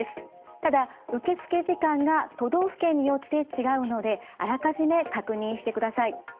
ただ受付時間が都道府県によって違うのであらかじめ確認してください。